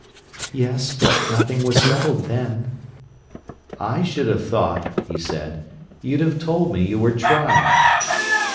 "Yes; but nothing was settled then." "I should have thought," he said, "you'd have told me you were trying."